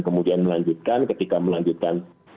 kemudian melanjutkan ketika melanjutkan